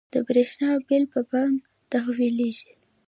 د بریښنا بیل په بانک تحویلیږي؟